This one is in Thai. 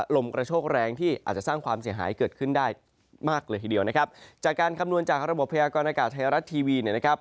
ลมกระโชกแรงที่อาจจะสร้างความเสียหายเกิดขึ้นได้มากเลยทีเดียวนะครับจากการคำนวณจากระบบพยากรณากาศไทยรัฐทีวีเนี่ยนะครับ